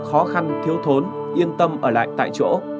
khó khăn thiếu thốn yên tâm ở lại tại chỗ